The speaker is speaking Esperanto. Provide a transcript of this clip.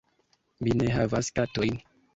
Mi ne havas katojn.